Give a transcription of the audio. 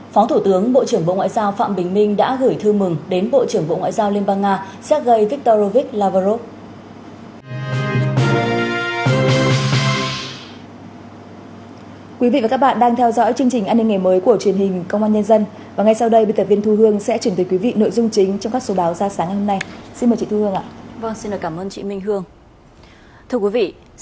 phó thủ tướng bộ trưởng bộ ngoại giao phạm bình minh đã gửi thư mừng đến bộ trưởng bộ ngoại giao liên bang nga sergei viktorovich lavrov